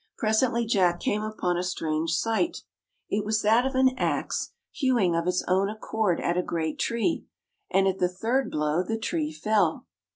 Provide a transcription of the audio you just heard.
Presently J ack came upon a strange sight. It was that of an ax, hewing of its own accord at a great tree, and at the third blow the tree fell.